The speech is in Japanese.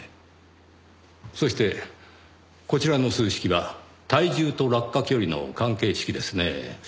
そしてこちらの数式は体重と落下距離の関係式ですねぇ。